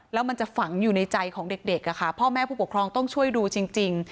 แล้วมันจะฝังอยู่ในใจของเด็กพ่อแม่ผู้ปกครองต้องช่วยดูจริง